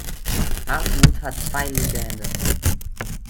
Hartmut hat zwei linke Hände.